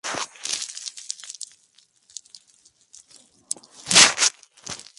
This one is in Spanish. Su música es muy emotiva y lúgubre.